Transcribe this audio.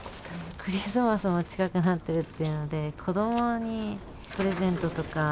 クリスマスも近くなっているというので、子どもにプレゼントとか。